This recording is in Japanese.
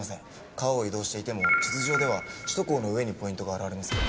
川を移動していても地図上では首都高の上にポイントが現れます。